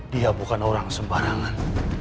dia bukan orang sembarangan